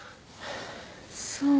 そう。